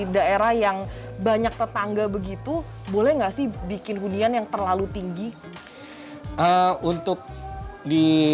daerah yang banyak tetangga begitu boleh nggak sih bikin hunian yang terlalu tinggi untuk di